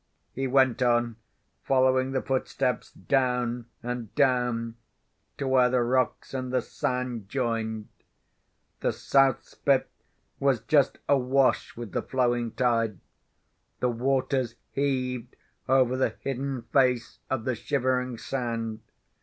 He went on, following the footsteps down and down to where the rocks and the sand joined. The South Spit was just awash with the flowing tide; the waters heaved over the hidden face of the Shivering Sand.